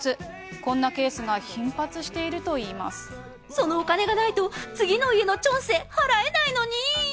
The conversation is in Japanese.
こんなケースが頻発しているといそのお金がないと、次の家のチョンセ払えないのに。